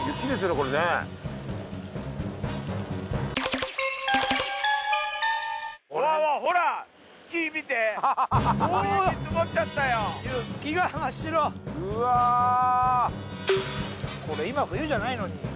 これ今冬じゃないのに。